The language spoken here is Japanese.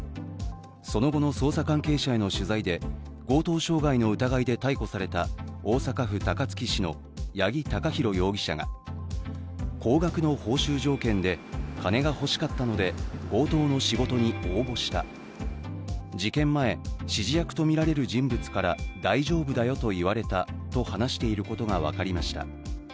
その後の捜査関係者への取材で強盗傷害の疑いで逮捕された大阪府高槻市の八木貴寛容疑者が高額の報酬条件で金が欲しかったので強盗の仕事に応募した事件前、指示役とみられる人物から大丈夫だよと言われたと話していることが分かりました。